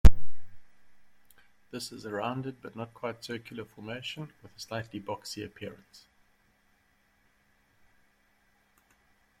This is a rounded but not quite circular formation, with a slightly boxy appearance.